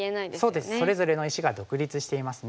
そうですそれぞれの石が独立していますね。